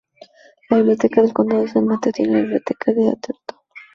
La Biblioteca del Condado de San Mateo tiene la Biblioteca de Atherton.